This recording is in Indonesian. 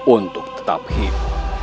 untuk tetap hidup